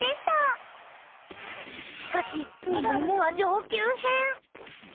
しかし２問目は上級編。